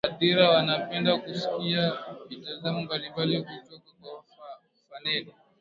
hadhira wanapenda kusikia mitazamo mbalimbali kutoka kwa fanani